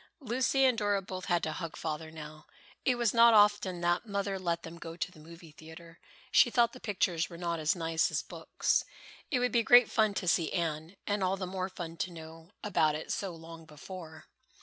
Lucy and Dora both had to hug Father now. It was not often that Mother let them go to the movie theatre. She thought the pictures were not as nice as books. It would be great fun to see "Anne," and all the more fun to know about it so long before.